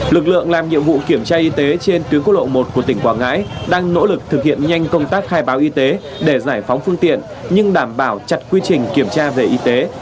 lực lượng làm nhiệm vụ kiểm tra y tế trên tuyến quốc lộ một của tỉnh quảng ngãi đang nỗ lực thực hiện nhanh công tác khai báo y tế để giải phóng phương tiện nhưng đảm bảo chặt quy trình kiểm tra về y tế